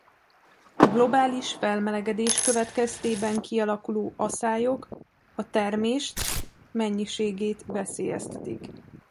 A globális felmelegedés következtében kialakuló aszályok a termést mennyiségét veszélyeztetik.